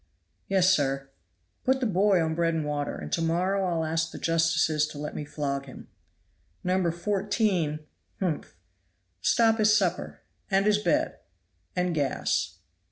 "Yes, sir." "Put the boy on bread and water and to morrow I'll ask the justices to let me flog him. No. 14 humph! stop his supper and his bed and gas."